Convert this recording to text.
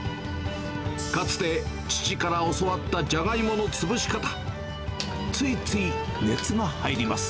かつて父から教わったじゃがいもの潰し方、ついつい熱が入ります。